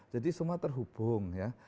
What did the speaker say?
jadi semua terhubung ya